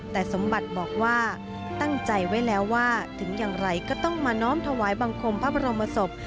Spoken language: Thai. แต่สมบัติบอกว่าตั้งใจไว้แล้วว่าถึงอย่างไรก็ต้องมาน้อมถวายบังคมพระบรมศพ